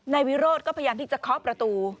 นายวิโรธก็พยายามที่จะเคาะประตู